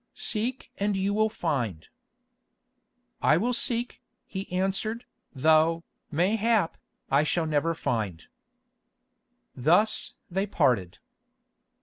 "Seek and you will find." "I will seek," he answered, "though, mayhap, I shall never find." Thus they parted.